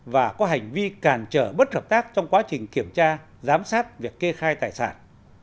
và có hành vi cản trở bất hợp tác trong quá trình kiểm tra giám sát việc kê khai tài sản